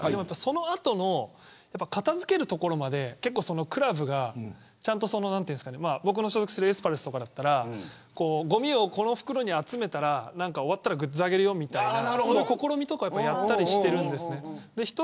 その後の片付けるところまでクラブが僕の所属するエスパルスとかだったらごみをこの袋に集めたら終わったらグッズをあげるよみたいなそういう試みとかもやったりしてるんです。